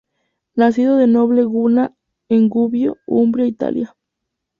Nacido de noble cuna en Gubbio, Umbría, Italia.